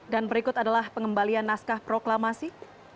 dan berikut adalah pengembalian naskah proklamasi